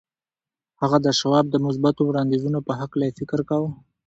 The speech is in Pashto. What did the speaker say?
هغه د شواب د مثبتو وړانديزونو په هکله يې فکر کاوه.